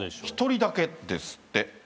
一人だけですって。